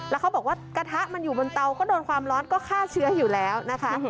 แล้วเขาบอกว่ากระทะมันอยู่บนเตาก็โดนความร้อนก็ฆ่าเชื้ออยู่แล้วนะคะ